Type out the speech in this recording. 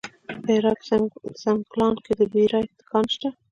د هرات په سنګلان کې د بیرایت کان شته.